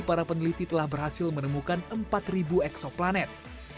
peneliti telah berhasil menemukan empat ribu eksoplanet